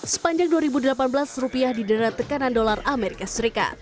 sepanjang dua ribu delapan belas rupiah diderat tekanan dolar as